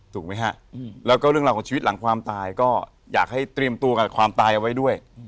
ถูกไหมฮะแล้วก็เรื่องราวของชีวิตหลังความตายก็อยากให้เตรียมตัวกับความตายเอาไว้ด้วย